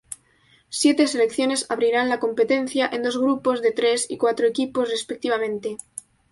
Siete selecciones abrirán la competencia en dos grupos de tres y cuatro equipos respectivamente.